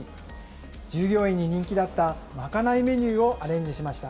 従業員に人気だった賄いメニューをアレンジしました。